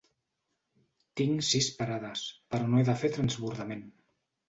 Tinc sis parades, però no he de fer transbordament.